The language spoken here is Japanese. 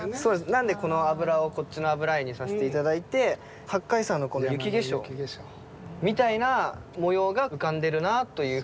なのでこの「油」をこっちの「脂絵」にさせて頂いて八海山のこの雪化粧みたいな模様が浮かんでるなという